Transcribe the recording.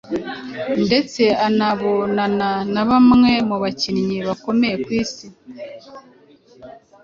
ndetse anabonana na bamwe mu bakinnyi bakomeye ku isi